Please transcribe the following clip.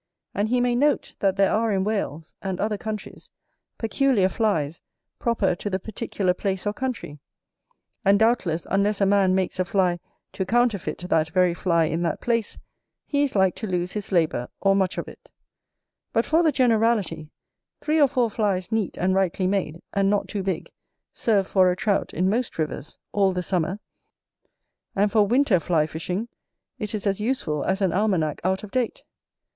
And he may note, that there are in Wales, and other countries, peculiar flies, proper to the particular place or country; and doubtless, unless a man makes a fly to counterfeit that very fly in that place, he is like to lose his labour, or much of it; but for the generality, three or four flies neat and rightly made, and not too big, serve for a Trout in most rivers, all the summer: and for winter fly fishing it is as useful as an Almanack out of date.